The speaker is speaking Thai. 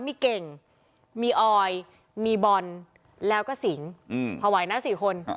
มีเก่งมีออยมีบอลแล้วก็สิงพอไหวนะ๔คน